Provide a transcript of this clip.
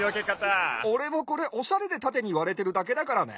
おれもこれおしゃれでたてにわれてるだけだからね。